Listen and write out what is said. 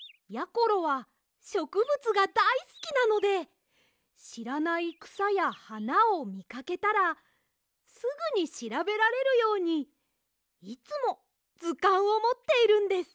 ころはしょくぶつがだいすきなのでしらないくさやはなをみかけたらすぐにしらべられるようにいつもずかんをもっているんです。